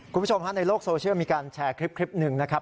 คุณผู้ชมฮะในโลกโซเชียลมีการแชร์คลิปหนึ่งนะครับ